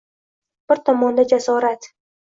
Bir tomonda jasorat.